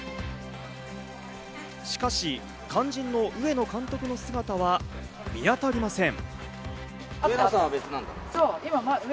しかし肝心の上野監督の姿は見あたりません。